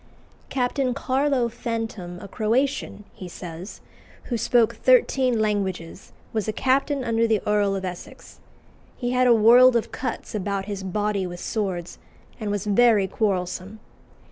"Captain Carlo Fantom, a Croatian," he says, "who spoke thirteen languages, was a captain under the Earl of Essex. He had a world of cuts about his body with swords, and was very quarrelsome.